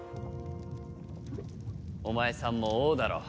お前さんも王だろう。